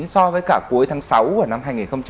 so với cả cuối tháng sáu của năm hai nghìn một mươi tám